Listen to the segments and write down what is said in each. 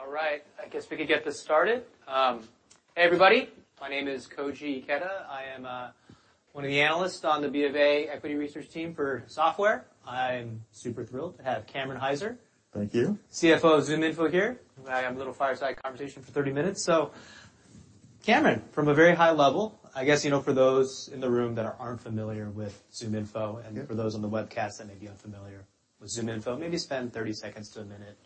All right, I guess we could get this started. Hey, everybody, my name is Koji Ikeda. I am one of the analysts on the BofA Equity Research team for software. I'm super thrilled to have Cameron Hyzer. Thank you. CFO of ZoomInfo here. I have a little fireside conversation for 30 minutes. Cameron, from a very high level, I guess, you know, for those in the room that aren't familiar with ZoomInfo, and for those on the webcast that may be unfamiliar with ZoomInfo, maybe spend 30 seconds to a minute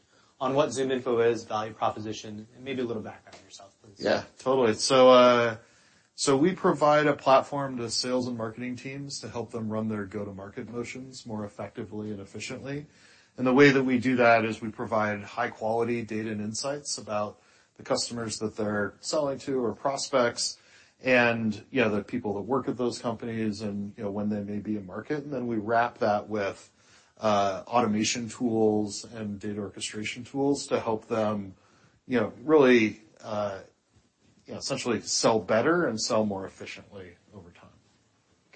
on what ZoomInfo is, value proposition, and maybe a little background on yourself, please. Totally. We provide a platform to sales and marketing teams to help them run their go-to-market motions more effectively and efficiently. The way that we do that is we provide high-quality data and insights about the customers that they're selling to or prospects, and the people that work at those companies and, you know, when they may be in market. Then we wrap that with automation tools and data orchestration tools to help them, you know, really, essentially sell better and sell more efficiently over time.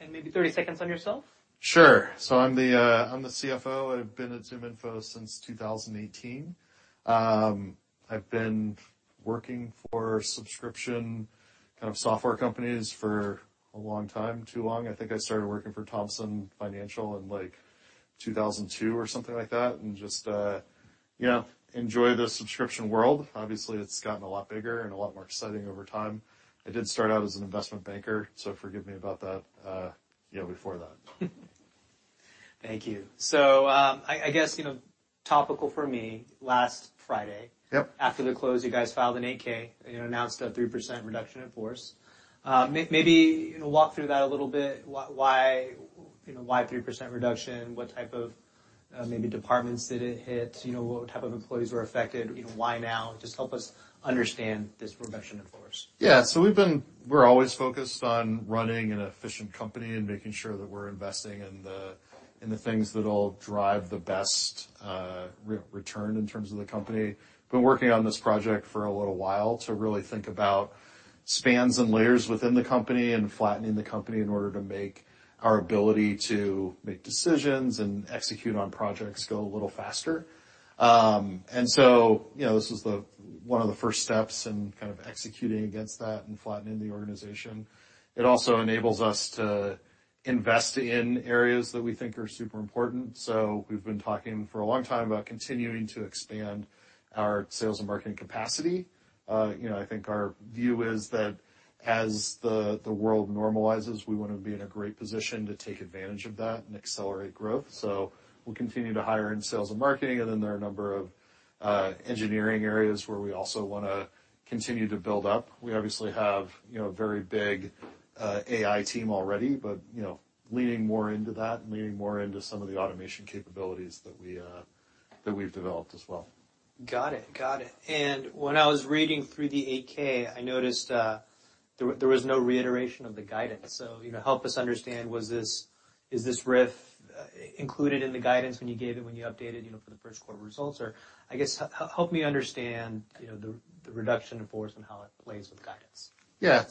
Okay, maybe 30 seconds on yourself? Sure. I'm the CFO. I've been at ZoomInfo since 2018. I've been working for subscription kind of software companies for a long time, too long. I think I started working for Thomson Financial in, like, 2002 or something like that, and just, you know, enjoy the subscription world. Obviously, it's gotten a lot bigger and a lot more exciting over time. I did start out as an investment banker, so forgive me about that, you know, before that. Thank you. I guess, you know, topical for me, last Friday. Yep. After the close, you guys filed an 8-K, you know, announced a 3% reduction in force. Maybe, you know, walk through that a little bit. Why, you know, why 3% reduction? What type of, maybe departments did it hit? You know, what type of employees were affected? You know, why now? Just help us understand this reduction in force. We're always focused on running an efficient company and making sure that we're investing in the, in the things that'll drive the best re-return in terms of the company. Been working on this project for a little while to really think about spans and layers within the company, and flattening the company in order to make our ability to make decisions and execute on projects go a little faster. You know, this was the, one of the first steps in kind of executing against that and flattening the organization. It also enables us to invest in areas that we think are super important. We've been talking for a long time about continuing to expand our sales and marketing capacity. You know, I think our view is that as the world normalizes, we want to be in a great position to take advantage of that and accelerate growth. We'll continue to hire in sales and marketing, then there are a number of engineering areas where we also want to continue to build up. We obviously have, you know, a very big AI team already, you know, leaning more into that and leaning more into some of the automation capabilities that we've developed as well. Got it. Got it. When I was reading through the 8-K, I noticed, there was no reiteration of the guidance. You know, help us understand, is this RIF included in the guidance when you gave it, when you updated, you know, for the first quarter results? Or I guess, help me understand, you know, the reduction in force and how it plays with guidance. Yeah,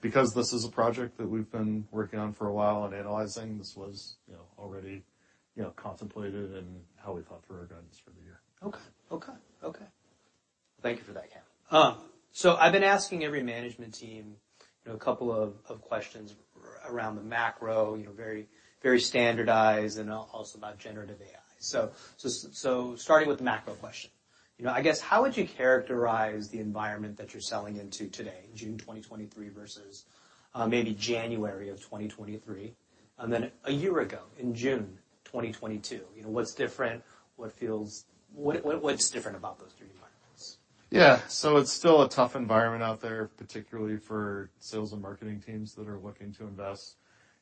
because this is a project that we've been working on for a while and analyzing, this was, you know, already, you know, contemplated in how we thought through our guidance for the year. Okay. Thank you for that, Cameron. I've been asking every management team, you know, a couple of questions around the macro, you know, very, very standardized, and also about generative AI. Starting with the macro question, you know, I guess how would you characterize the environment that you're selling into today, June 2023, versus maybe January of 2023, and then a year ago in June 2022? You know, what's different? What's different about those three environments? Yeah. It's still a tough environment out there, particularly for sales and marketing teams that are looking to invest.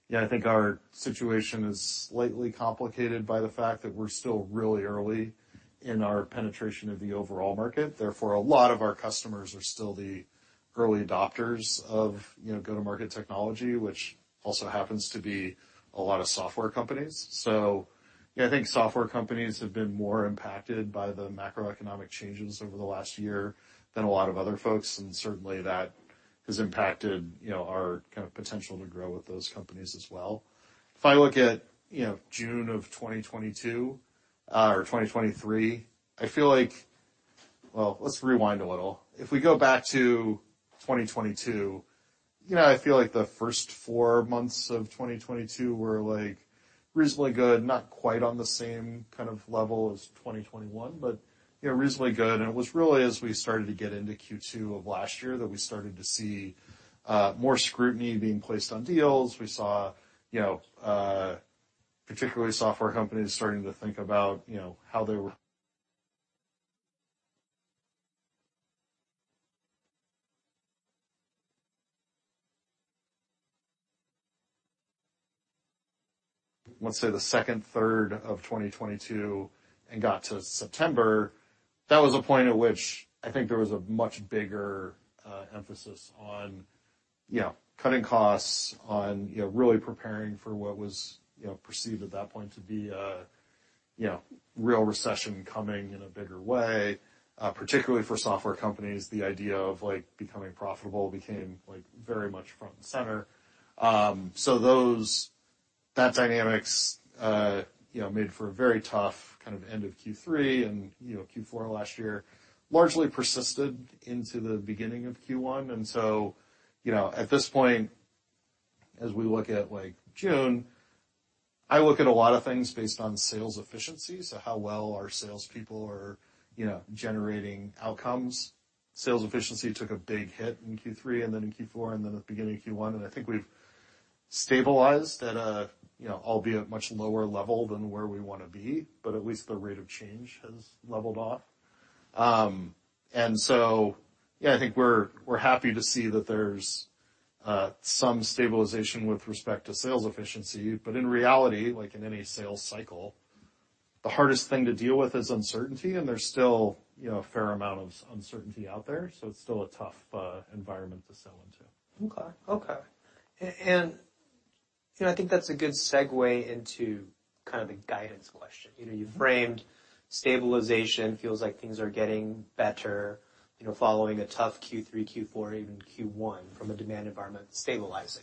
Yeah, I think our situation is slightly complicated by the fact that we're still really early in our penetration of the overall market. Therefore, a lot of our customers are still the early adopters of, you know, go-to-market technology, which also happens to be a lot of software companies. Yeah, I think software companies have been more impacted by the macroeconomic changes over the last year than a lot of other folks, and certainly that has impacted, you know, our kind of potential to grow with those companies as well. If I look at, you know, June of 2022 or 2023, Well, let's rewind a little. If we go back to 2022, you know, I feel like the first four months of 2022 were, like, reasonably good, not quite on the same kind of level as 2021, but you know, reasonably good. It was really as we started to get into Q2 of last year, that we started to see more scrutiny being placed on deals. We saw, you know, particularly software companies starting to think about, you know. Let's say the second third of 2022 and got to September, that was a point at which I think there was a much bigger emphasis on, you know, cutting costs, on, you know, really preparing for what was, you know, perceived at that point to be a, you know, real recession coming in a bigger way. Particularly for software companies, the idea of, like, becoming profitable became, like, very much front and center. That dynamics, you know, made for a very tough kind of end of Q3, Q4 last year, largely persisted into the beginning of Q1. You know, at this point, as we look at, like, June, I look at a lot of things based on sales efficiency, so how well our salespeople are, you know, generating outcomes. Sales efficiency took a big hit in Q3 and then in Q4, and then at the beginning of Q1, and I think we've stabilized at a, you know, albeit much lower level than where we want to be, but at least the rate of change has leveled off. Yeah, I think we're happy to see that there's some stabilization with respect to sales efficiency, but in reality, like in any sales cycle, the hardest thing to deal with is uncertainty, and there's still, you know, a fair amount of uncertainty out there, so it's still a tough environment to sell into. Okay. Okay. You know, I think that's a good segue into kind of the guidance question. You know, you've framed stabilization, feels like things are getting better, you know, following a tough Q3, Q4, even Q1 from a demand environment stabilizing.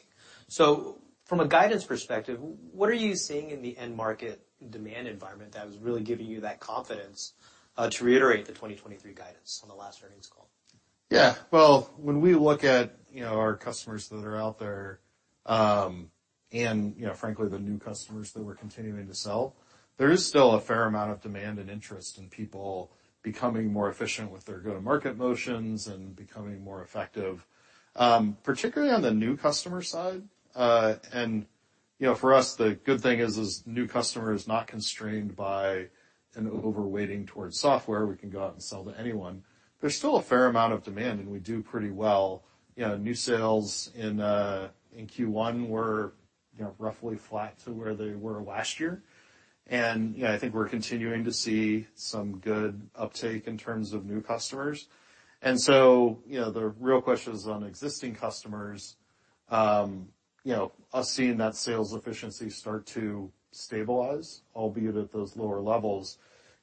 From a guidance perspective, what are you seeing in the end market demand environment that is really giving you that confidence to reiterate the 2023 guidance on the last earnings call? Well, when we look at, you know, our customers that are out there, and, you know, frankly, the new customers that we're continuing to sell, there is still a fair amount of demand and interest in people becoming more efficient with their go-to-market motions and becoming more effective, particularly on the new customer side. You know, for us, the good thing is new customer is not constrained by an overweighting towards software. We can go out and sell to anyone. There's still a fair amount of demand, and we do pretty well. You know, new sales in Q1 were, you know, roughly flat to where they were last year. You know, I think we're continuing to see some good uptake in terms of new customers. You know, the real question is on existing customers, you know, us seeing that sales efficiency start to stabilize, albeit at those lower levels,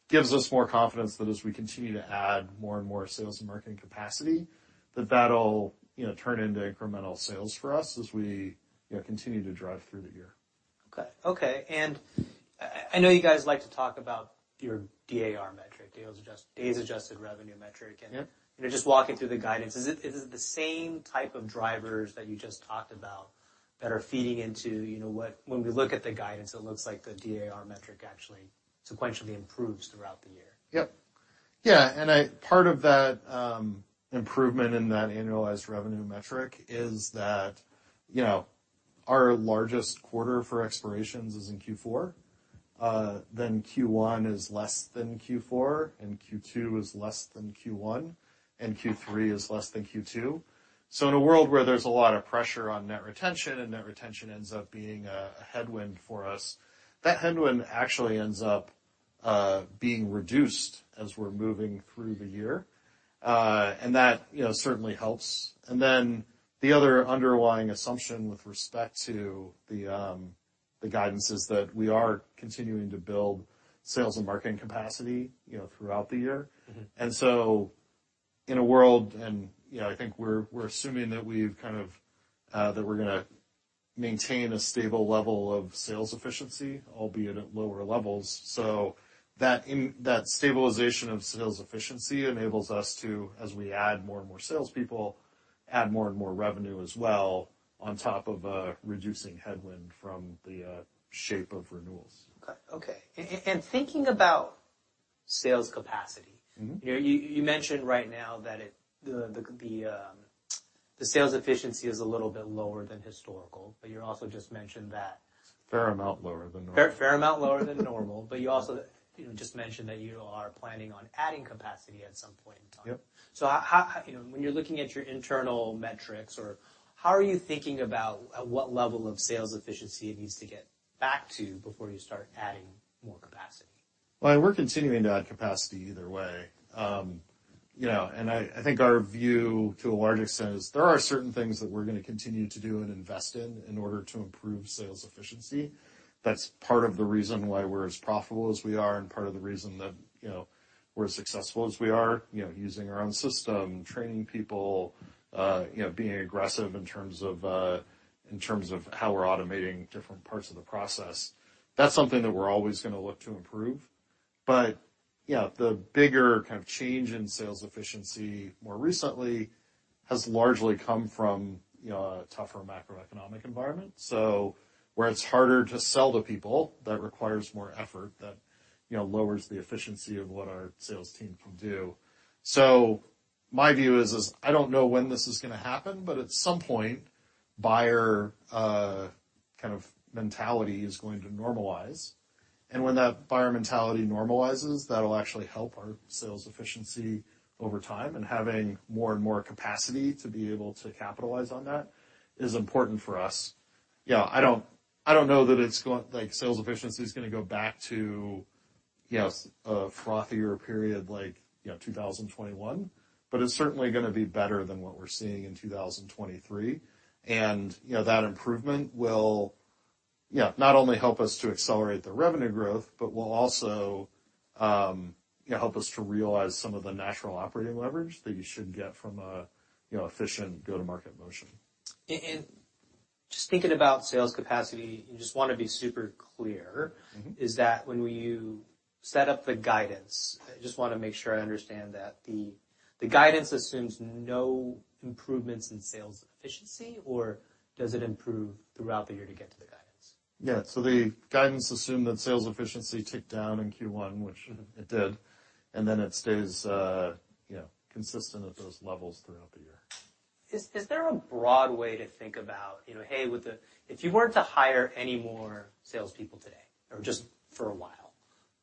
gives us more confidence that as we continue to add more and more sales and marketing capacity, that that'll, you know, turn into incremental sales for us as we, you know, continue to drive through the year. Okay. Okay, I know you guys like to talk about your DAR metric, days adjusted revenue metric, you know, just walking through the guidance, is it the same type of drivers that you just talked about? When we look at the guidance, it looks like the DAR metric actually sequentially improves throughout the year. Yep. Yeah, part of that improvement in that annualized revenue metric is that, you know, our largest quarter for expirations is in Q4, then Q1 is less than Q4, and Q2 is less than Q1, and Q3 is less than Q2. In a world where there's a lot of pressure on net retention, and net retention ends up being a headwind for us, that headwind actually ends up being reduced as we're moving through the year, and that, you know, certainly helps. The other underlying assumption with respect to the guidance is that we are continuing to build sales and marketing capacity, you know, throughout the year. Mm-hmm. In a world and, you know, I think we're assuming that we've kind of, that we're gonna maintain a stable level of sales efficiency, albeit at lower levels. That stabilization of sales efficiency enables us to, as we add more and more salespeople, add more and more revenue as well, on top of, reducing headwind from the shape of renewals. Okay, and thinking about sales capacity— Mm-hmm. —you know, you mentioned right now that the sales efficiency is a little bit lower than historical, but you also just mentioned that. Fair amount lower than normal. Fair amount lower than normal. You also, you know, just mentioned that you are planning on adding capacity at some point in time. Yep. You know, when you're looking at your internal metrics, or how are you thinking about at what level of sales efficiency it needs to get back to before you start adding more capacity? Well, we're continuing to add capacity either way. You know, I think our view to a large extent is there are certain things that we're gonna continue to do and invest in order to improve sales efficiency. That's part of the reason why we're as profitable as we are and part of the reason that, you know, we're as successful as we are. You know, using our own system, training people, you know, being aggressive in terms of, in terms of how we're automating different parts of the process, that's something that we're always gonna look to improve. Yeah, the bigger kind of change in sales efficiency more recently has largely come from, you know, a tougher macroeconomic environment. Where it's harder to sell to people, that requires more effort, that, you know, lowers the efficiency of what our sales team can do. My view is, I don't know when this is gonna happen, but at some point, buyer kind of mentality is going to normalize, and when that buyer mentality normalizes, that'll actually help our sales efficiency over time, and having more and more capacity to be able to capitalize on that is important for us. Yeah, I don't know that it's like, sales efficiency is gonna go back to, you know, a frothier period like, you know, 2021, but it's certainly gonna be better than what we're seeing in 2023. That improvement will, you know, not only help us to accelerate the revenue growth but will also help us to realize some of the natural operating leverage that you should get from a, you know, efficient go-to-market motion. Just thinking about sales capacity, you just want to be super clear. Mm-hmm. Is that when you set up the guidance, I just want to make sure I understand that the guidance assumes no improvements in sales efficiency, or does it improve throughout the year to get to the guidance? Yeah. The guidance assumed that sales efficiency ticked down in Q1, which it did, and then it stays, you know, consistent at those levels throughout the year. Is there a broad way to think about, you know, hey, with the if you weren't to hire any more salespeople today or just for a while,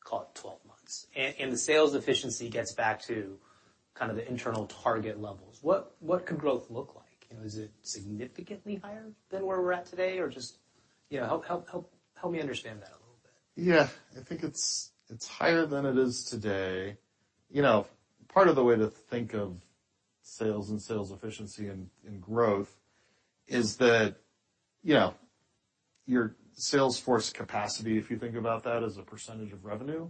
call it 12 months, and the sales efficiency gets back to kind of the internal target levels, what could growth look like? You know, is it significantly higher than where we're at today? Just, you know, help me understand that a little bit. Yeah. I think it's higher than it is today. You know, part of the way to think of sales and sales efficiency and growth is that, you know, your sales force capacity, if you think about that, as a percentage of revenue,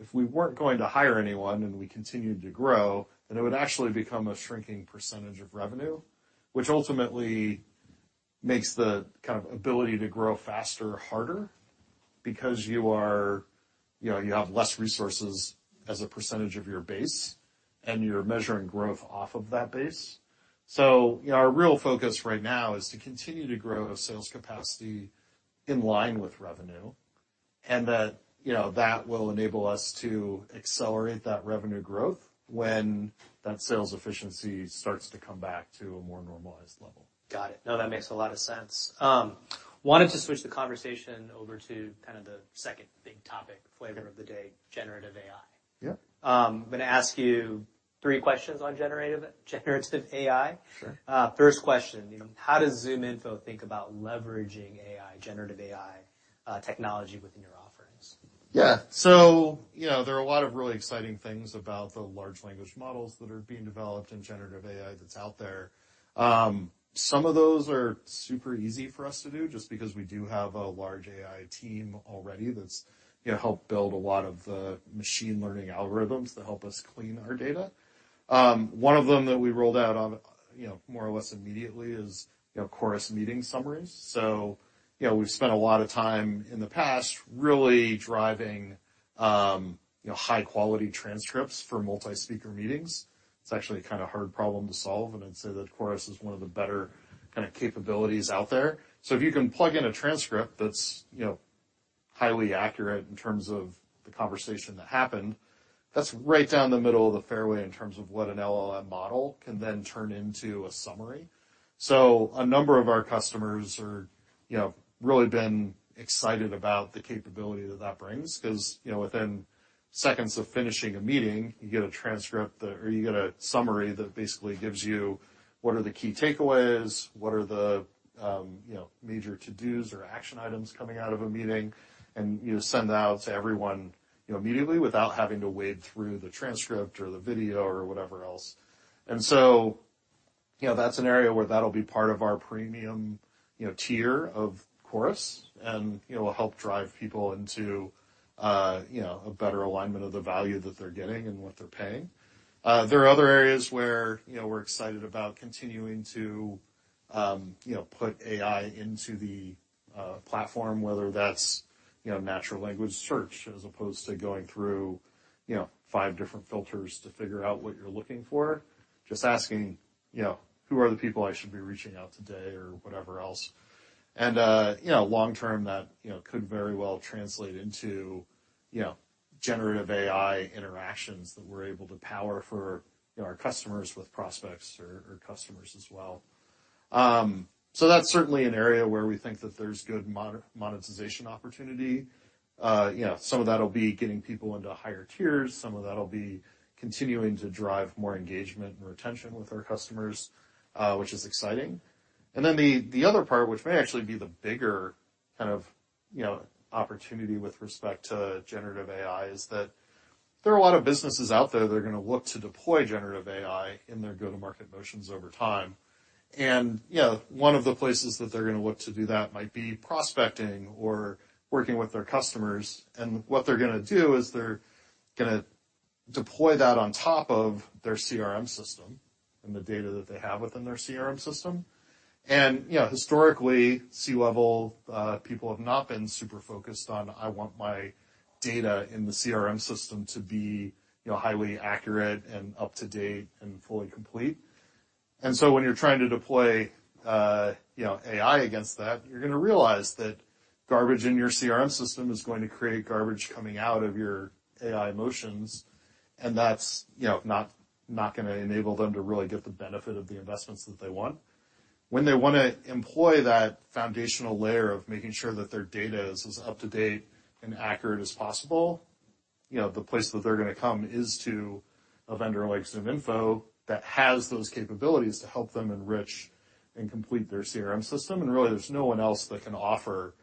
if we weren't going to hire anyone and we continued to grow, then it would actually become a shrinking percentage of revenue, which ultimately makes the kind of ability to grow faster, harder, because you know, you have less resources as a percentage of your base, and you're measuring growth off of that base. Our real focus right now is to continue to grow our sales capacity in line with revenue, and that, you know, that will enable us to accelerate that revenue growth when that sales efficiency starts to come back to a more normalized level. Got it. No, that makes a lot of sense. wanted to switch the conversation over to kind of the second big topic, flavor of the day: generative AI. Yeah. I'm gonna ask you three questions on generative AI. Sure. First question: you know, how does ZoomInfo think about leveraging AI, generative AI, technology within your offerings? You know, there are a lot of really exciting things about the large language models that are being developed in generative AI that's out there. Some of those are super easy for us to do just because we do have a large AI team already that's, you know, helped build a lot of the machine learning algorithms that help us clean our data. One of them that we rolled out on, you know, more or less immediately is, you know, Chorus meeting summaries. You know, we've spent a lot of time in the past really driving, you know, high-quality transcripts for multi-speaker meetings. It's actually a kind of hard problem to solve, and I'd say that Chorus is one of the better kind of capabilities out there. If you can plug in a transcript that's, you know, highly accurate in terms of the conversation that happened, that's right down the middle of the fairway in terms of what an LLM model can then turn into a summary. A number of our customers are, you know, really been excited about the capability that that brings, 'cause, you know, within seconds of finishing a meeting, or you get a summary that basically gives you what are the key takeaways, what are the, you know, major to-dos or action items coming out of a meeting, and you send out to everyone, you know, immediately without having to wade through the transcript or the video or whatever else. You know, that's an area where that'll be part of our premium, you know, tier of Chorus and, you know, will help drive people into, you know, a better alignment of the value that they're getting and what they're paying. There are other areas where, you know, we're excited about continuing to, you know, put AI into the platform, whether that's, you know, natural language search, as opposed to going through, you know, five different filters to figure out what you're looking for. Just asking, you know, "Who are the people I should be reaching out today?" Or whatever else. You know, long term that, you know, could very well translate into, you know, generative AI interactions that we're able to power for, you know, our customers, with prospects or customers as well. That's certainly an area where we think that there's good monetization opportunity. You know, some of that will be getting people into higher tiers. Some of that will be continuing to drive more engagement and retention with our customers, which is exciting. The other part, which may actually be the bigger kind of, you know, opportunity with respect to generative AI, is that there are a lot of businesses out there that are gonna look to deploy generative AI in their go-to-market motions over time. You know, one of the places that they're gonna look to do that might be prospecting or working with their customers. What they're gonna do is they're gonna deploy that on top of their CRM system and the data that they have within their CRM system. You know, historically, C-level people have not been super focused on, "I want my data in the CRM system to be, you know, highly accurate and up-to-date and fully complete." When you're trying to deploy, you know, AI against that, you're gonna realize that garbage in your CRM system is going to create garbage coming out of your AI motions, and that's, you know, not gonna enable them to really get the benefit of the investments that they want. When they want to employ that foundational layer of making sure that their data is as up-to-date and accurate as possible, you know, the place that they're gonna come is to a vendor like ZoomInfo that has those capabilities to help them enrich and complete their CRM system. Really, there's no one else that can offer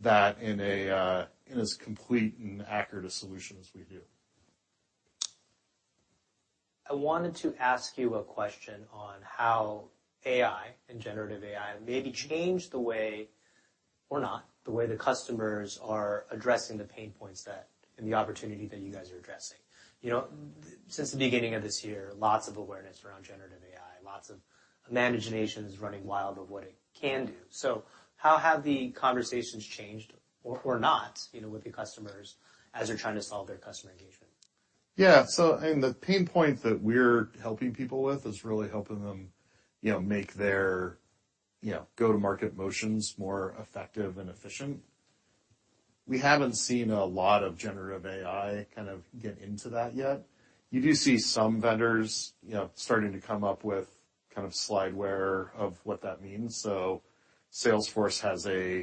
that in a, in as complete and accurate a solution as we do. I wanted to ask you a question on how AI and generative AI maybe changed the way, or not, the way the customers are addressing the pain points that, and the opportunity that you guys are addressing. You know, since the beginning of this year, lots of awareness around generative AI, lots of imaginations running wild of what it can do. How have the conversations changed or not, you know, with the customers as they're trying to solve their customer engagement? The pain point that we're helping people with is really helping them, you know, make their, you know, go-to-market motions more effective and efficient. We haven't seen a lot of generative AI kind of get into that yet. You do see some vendors, you know, starting to come up with kind of slideware of what that means. Salesforce has a,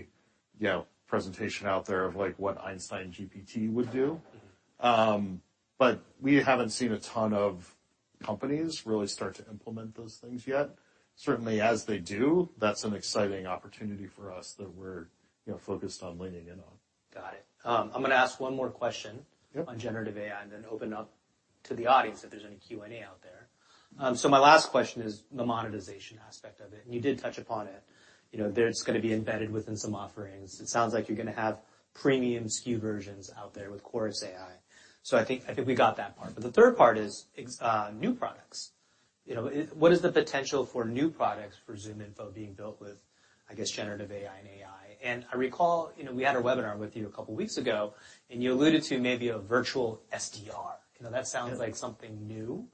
you know, presentation out there of, like, what Einstein GPT would do. We haven't seen a ton of companies really start to implement those things yet. Certainly, as they do, that's an exciting opportunity for us that we're, you know, focused on leaning in on. Got it. I'm gonna ask one more question. Yep. On generative AI and then open up to the audience if there's any Q&A out there. My last question is the monetization aspect of it, and you did touch upon it. You know, that it's gonna be embedded within some offerings. It sounds like you're gonna have premium SKU versions out there with Chorus AI. I think we got that part. The third part is new products. You know, what is the potential for new products for ZoomInfo being built with, I guess, generative AI and AI? I recall, you know, we had a webinar with you a couple of weeks ago, and you alluded to maybe a virtual SDR. You know, that sounds like something new.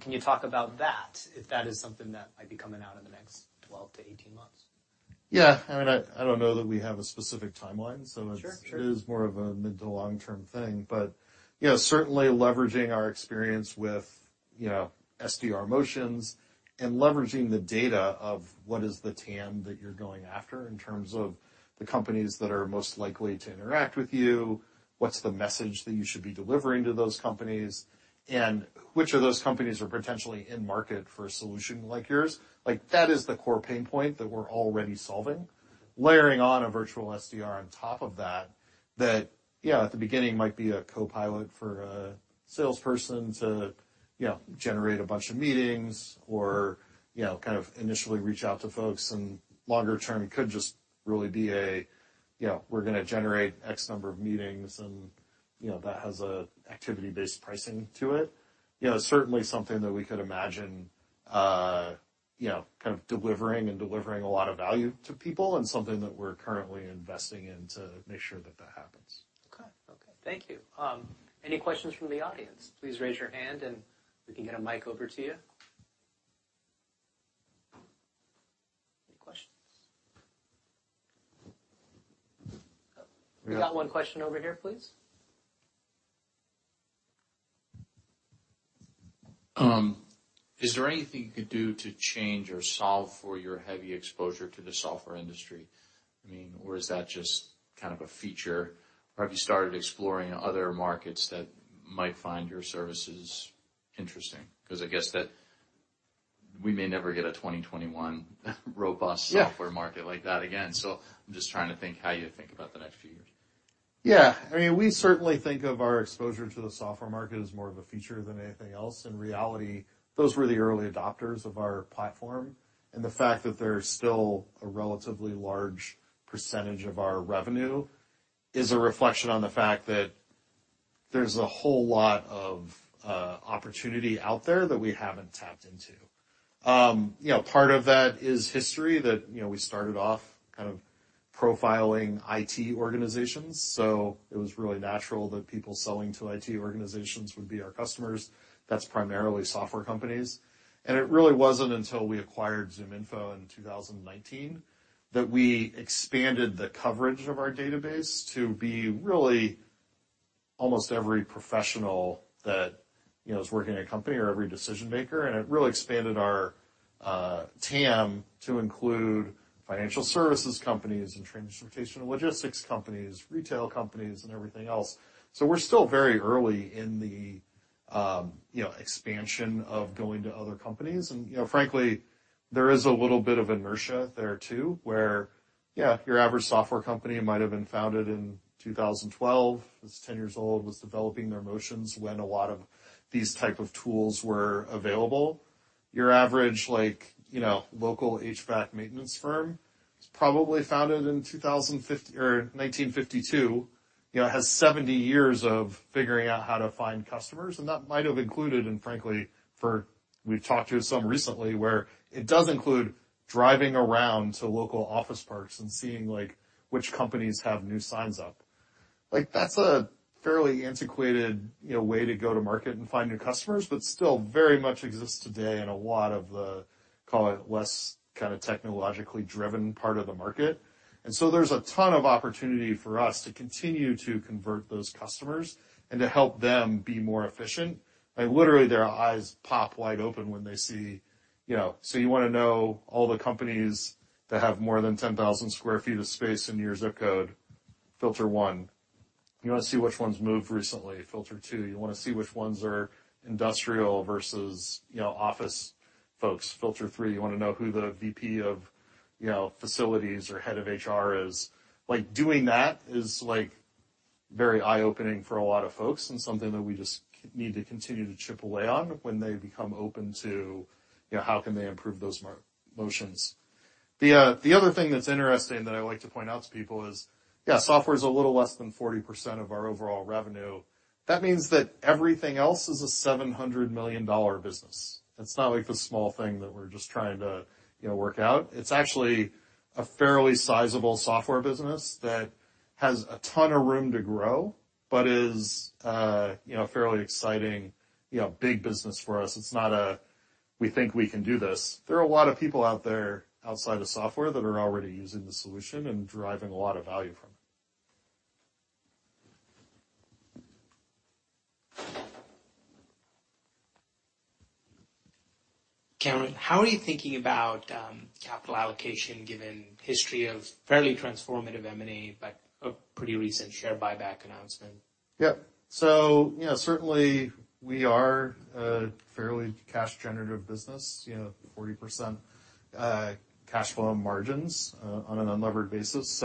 Can you talk about that, if that is something that might be coming out in the next 12 to 18 months? Yeah. I mean, I don't know that we have a specific timeline— Sure, sure. —it is more of a mid to long-term thing. You know, certainly leveraging our experience with, you know, SDR motions and leveraging the data of what is the TAM that you're going after in terms of the companies that are most likely to interact with you, what's the message that you should be delivering to those companies, and which of those companies are potentially in market for a solution like yours? Like, that is the core pain point that we're already solving. Layering on a virtual SDR on top of that, yeah, at the beginning, might be a co-pilot for a salesperson to, you know, generate a bunch of meetings or, you know, kind of initially reach out to folks, and longer term, could just really be a, you know, we're gonna generate X number of meetings, and, you know, that has a activity-based pricing to it. You know, certainly something that we could imagine, you know, kind of delivering and delivering a lot of value to people, and something that we're currently investing in to make sure that that happens. Okay, thank you. Any questions from the audience? Please raise your hand and we can get a mic over to you. Any questions? We got one question over here, please. Is there anything you could do to change or solve for your heavy exposure to the software industry? I mean, or is that just kind of a feature, or have you started exploring other markets that might find your services interesting? I guess that we may never get a 2021 robust— Yeah —software market like that again. I'm just trying to think how you think about the next few years. Yeah, I mean, we certainly think of our exposure to the software market as more of a feature than anything else. In reality, those were the early adopters of our platform, and the fact that they're still a relatively large percentage of our revenue is a reflection on the fact that there's a whole lot of opportunity out there that we haven't tapped into. You know, part of that is history, that, you know, we started off kind of profiling IT organizations, so it was really natural that people selling to IT organizations would be our customers. That's primarily software companies. It really wasn't until we acquired ZoomInfo in 2019 that we expanded the coverage of our database to be really almost every professional that, you know, is working at a company or every decision maker. It really expanded our TAM to include financial services companies and transportation and logistics companies, retail companies, and everything else. We're still very early in the, you know, expansion of going to other companies. You know, frankly, there is a little bit of inertia there, too, where, yeah, your average software company might have been founded in 2012. It's 10 years old, was developing their motions when a lot of these type of tools were available. Your average, like, you know, local HVAC maintenance firm was probably founded in 1952. You know, it has 70 years of figuring out how to find customers, and that might have included, and frankly, we've talked to some recently, where it does include driving around to local office parks and seeing, like, which companies have new signs up. Like, that's a fairly antiquated, you know, way to go to market and find new customers, but still very much exists today in a lot of the, call it, less kind of technologically driven part of the market. There's a ton of opportunity for us to continue to convert those customers and to help them be more efficient. Like, literally, their eyes pop wide open when they see, you know, you wanna know all the companies that have more than 10,000 sq ft of space in your zip code, filter one. You wanna see which ones moved recently, filter two. You wanna see which ones are industrial versus, you know, office folks, filter three. You wanna know who the VP of, you know, facilities or head of HR is like, doing that is, like very eye-opening for a lot of folks. And something that we just need to continue to chip away on when they become open to, you know, how can they improve those motions. The other thing that's interesting that I like to point out to people is, yeah, software is a little less than 40% of our overall revenue. That means that everything else is a $700 million business. It's not like this small thing that we're just trying to, you know, work out. It's actually a fairly sizable software business that has a ton of room to grow, but is, you know, fairly exciting, you know, big business for us. It's not a, "We think we can do this." There are a lot of people out there outside of software that are already using the solution and deriving a lot of value from it. Cameron, how are you thinking about capital allocation, given history of fairly transformative M&A, but a pretty recent share buyback announcement? Yeah. Certainly we are a fairly cash-generative business, you know, 40% cash flow margins on an unlevered basis.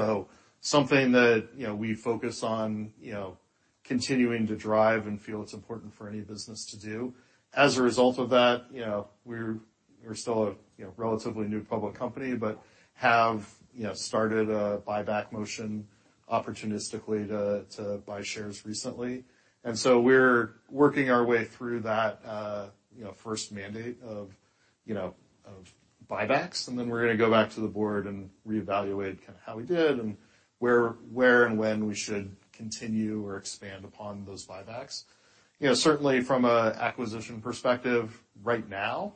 Something that, you know, we focus on, you know, continuing to drive and feel it's important for any business to do. As a result of that, you know, we're still a, you know, relatively new public company, but have, you know, started a buyback motion opportunistically to buy shares recently. We're working our way through that, you know, first mandate of, you know, of buybacks, and then we're gonna go back to the board and reevaluate kind of how we did and where and when we should continue or expand upon those buybacks. You know, certainly from a acquisition perspective right now,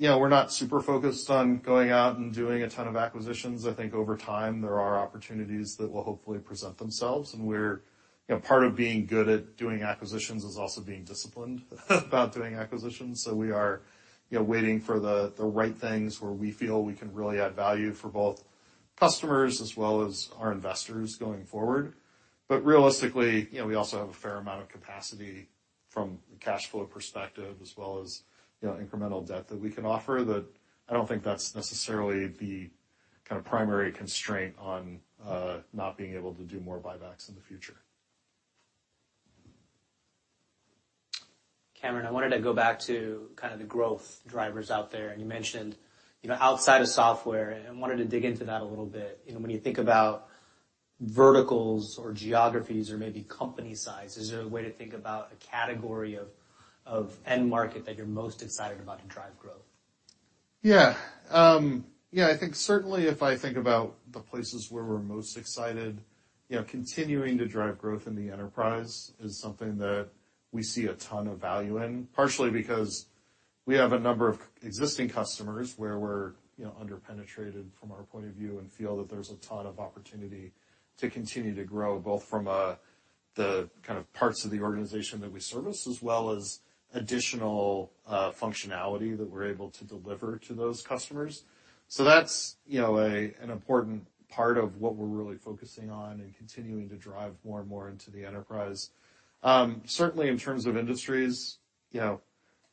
you know, we're not super focused on going out and doing a ton of acquisitions. I think over time, there are opportunities that will hopefully present themselves. You know, part of being good at doing acquisitions is also being disciplined, about doing acquisitions. We are, you know, waiting for the right things where we feel we can really add value for both customers as well as our investors going forward. Realistically, you know, we also have a fair amount of capacity from a cash flow perspective, as well as, you know, incremental debt that we can offer, that I don't think that's necessarily the kind of primary constraint on not being able to do more buybacks in the future. Cameron, I wanted to go back to kind of the growth drivers out there. You mentioned, you know, outside of software. I wanted to dig into that a little bit. You know, when you think about verticals or geographies or maybe company size, is there a way to think about a category of end market that you're most excited about to drive growth? Yeah, I think certainly if I think about the places where we're most excited, you know, continuing to drive growth in the enterprise is something that we see a ton of value in. Partially because we have a number of existing customers where we're, you know, under-penetrated from our point of view, and feel that there's a ton of opportunity to continue to grow, both from the kind of parts of the organization that we service, as well as additional functionality that we're able to deliver to those customers. That's, you know, an important part of what we're really focusing on and continuing to drive more and more into the enterprise. Certainly in terms of industries, you know,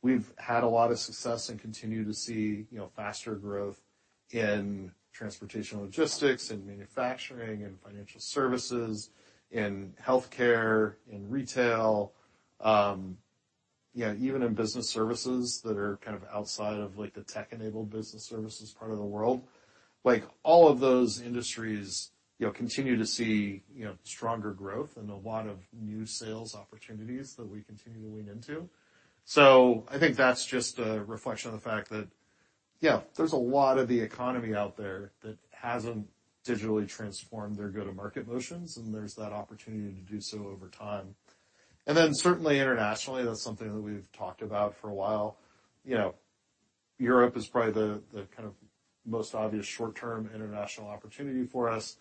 we've had a lot of success and continue to see, you know, faster growth in transportation, logistics, in manufacturing, in financial services, in healthcare, in retail, even in business services that are kind of outside of the tech-enabled business services part of the world. All of those industries, you know, continue to see, you know, stronger growth and a lot of new sales opportunities that we continue to lean into. I think that's just a reflection of the fact that there's a lot of the economy out there that hasn't digitally transformed their go-to-market motions, and there's that opportunity to do so over time. Certainly internationally, that's something that we've talked about for a while. You know, Europe is probably the kind of most obvious short-term international opportunity for us.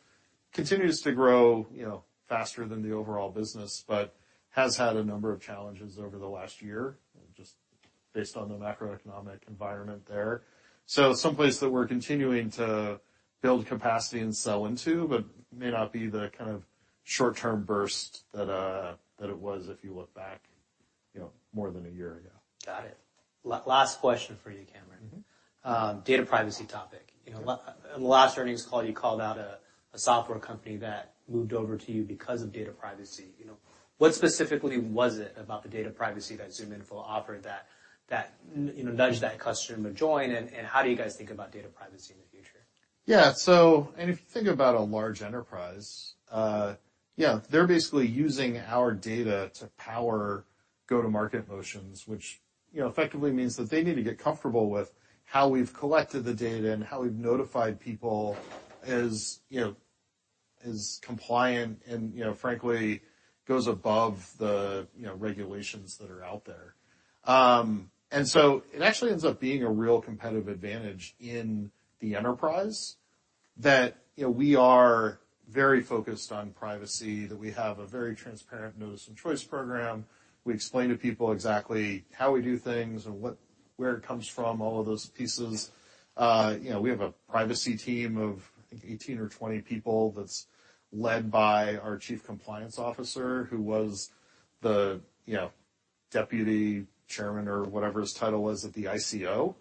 Continues to grow, you know, faster than the overall business, but has had a number of challenges over the last year, just based on the macroeconomic environment there. Some place that we're continuing to build capacity and sell into, but may not be the kind of short-term burst that it was if you look back, you know, more than a year ago. Got it. Last question for you, Cameron. Mm-hmm. Data Privacy topic. Yeah. You know, in the last earnings call, you called out a software company that moved over to you because of data privacy. You know, what specifically was it about the data privacy that ZoomInfo offered that, you know, nudged that customer to join, and how do you guys think about data privacy in the future? Yeah. If you think about a large enterprise, yeah, they're basically using our data to power go-to-market motions, which, you know, effectively means that they need to get comfortable with how we've collected the data and how we've notified people as, you know, as compliant and, you know, frankly, goes above the, you know, regulations that are out there. It actually ends up being a real competitive advantage in the enterprise that, you know, we are very focused on privacy, that we have a very transparent notice and choice program. We explain to people exactly how we do things and where it comes from, all of those pieces. You know, we have a privacy team of, I think, 18 or 20 people that's led by our Chief Compliance Officer, who was the, you know, Deputy Chairman or whatever his title was at the ICO.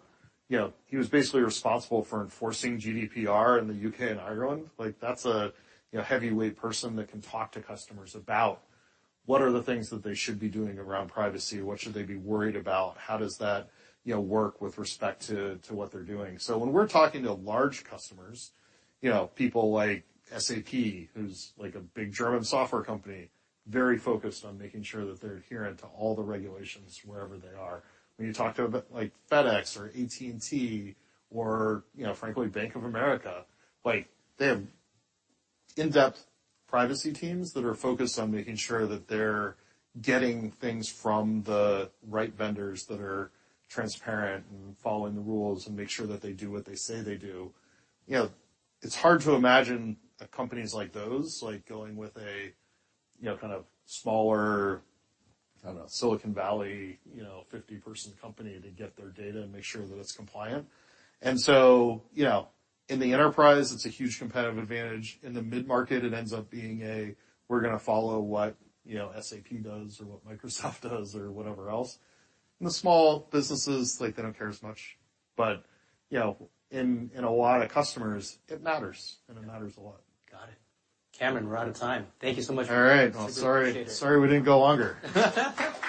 You know, he was basically responsible for enforcing GDPR in the U.K. and Ireland. Like, that's a, you know, heavyweight person that can talk to customers about what are the things that they should be doing around privacy, what should they be worried about, how does that, you know, work with respect to what they're doing? When we're talking to large customers, you know, people like SAP, who's, like, a big German software company, very focused on making sure that they're adherent to all the regulations wherever they are. When you talk to like FedEx or AT&T or, you know, frankly, Bank of America, like, they have in-depth privacy teams that are focused on making sure that they're getting things from the right vendors that are transparent and following the rules, and make sure that they do what they say they do. You know, it's hard to imagine companies like those, like, going with a, you know, kind of smaller, I don't know, Silicon Valley, you know, 50-person company to get their data and make sure that it's compliant. In the enterprise, it's a huge competitive advantage. In the mid-market, it ends up being a, "We're gonna follow what, you know, SAP does or what Microsoft does," or whatever else. In the small businesses, like, they don't care as much. You know, in a lot of customers, it matters, and it matters a lot. Got it. Cameron, we're out of time. Thank you so much. All right. Appreciate it. Well, sorry we didn't go longer. Thank you.